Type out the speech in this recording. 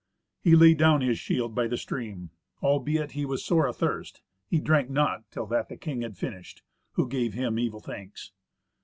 He laid down his shield by the stream. Albeit he was sore athirst, he drank not till that the king had finished, who gave him evil thanks.